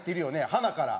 はなから。